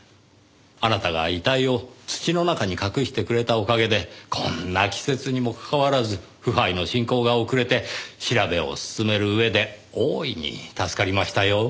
あなたが遺体を土の中に隠してくれたおかげでこんな季節にもかかわらず腐敗の進行が遅れて調べを進める上で大いに助かりましたよ。